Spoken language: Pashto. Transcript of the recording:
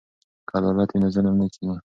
که عدالت وي نو ظلم نه کیږي.